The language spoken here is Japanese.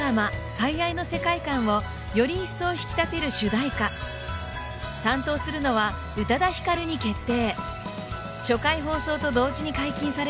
「最愛」の世界観をより一層引き立てる主題歌担当するのは宇多田ヒカルに決定！